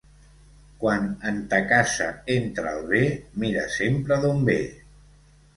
Quan en ta casa entra el bé, mira sempre d'on ve.